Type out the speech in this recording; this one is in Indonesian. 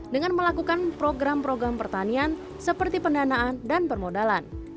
dengan melakukan program program pertanian seperti pendanaan dan permodalan